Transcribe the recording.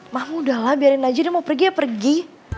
mah mudalah biarin aja dia mau pergi ya pergi